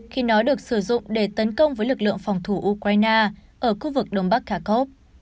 khi nó được sử dụng để tấn công với lực lượng phòng thủ ukraine ở khu vực đông bắc kharkov